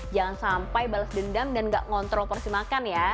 jangan sampai balas dendam dan gak ngontrol porsi makan ya